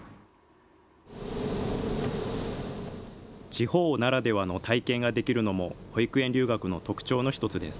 地方ならではの体験ができるのも保育園留学の特徴の一つです。